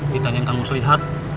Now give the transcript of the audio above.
ditanyakan kamu selihat